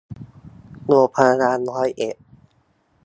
โรงพยาบาลร้อยเอ็ด